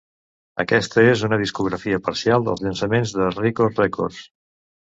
Aquesta és una discografia parcial dels llançaments de Rikos Records.